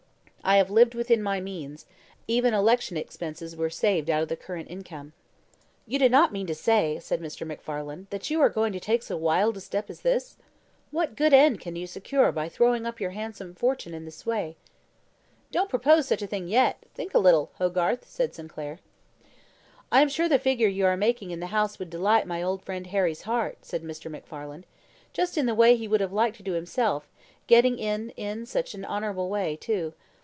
I have lived within my means; even my election expenses were saved out of the current income." "You do not mean to say," said Mr. MacFarlane, "that you are going to take so wild a step as this? What good end can you secure by throwing up your handsome fortune in this way?" "Don't propose such a thing yet; think a little, Hogarth," said Sinclair. "I am sure the figure you are making in the House would delight my old friend Harry's heart," said Mr. MacFarlane; "just in the way he would have liked to do himself; getting in in such an honourable way too.